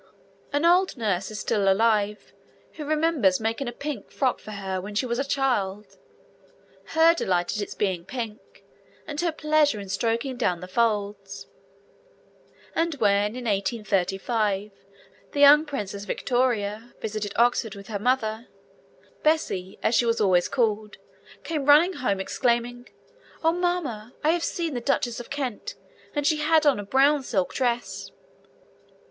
An old nurse is still alive who remembers making a pink frock for her when she was a child, her delight at its being pink and her pleasure in stroking down the folds; and when in 1835 the young Princess Victoria visited Oxford with her mother, Bessie, as she was always called, came running home, exclaiming, 'Oh, mamma, I have seen the Duchess of Kent, and she had on a brown silk dress.'